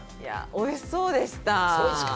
おいしそうでした。